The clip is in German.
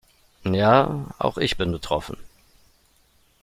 Ja, auch ich bin betroffen.